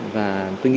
và tôi nghĩ